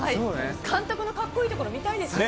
監督の格好いいところ見たいですよね。